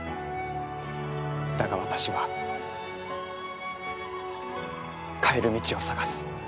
だが私は帰る道を探す。